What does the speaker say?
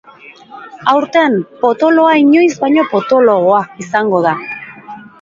Aurten, potoloa inoiz baino potoloagoa izango da.